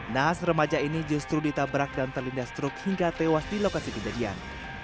nahas remaja ini justru ditabrak dan terlindas truk hingga tewas di lokasi kejadian